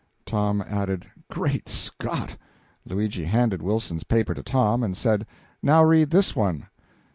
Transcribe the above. Tom added, "Great Scott!" Luigi handed Wilson's paper to Tom, and said "Now read this one."